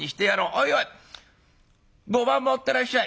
おいおい碁盤持ってらっしゃい。